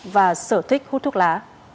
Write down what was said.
và sở thích hút thuốc lá